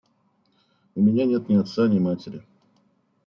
– У меня нет ни отца, ни матери.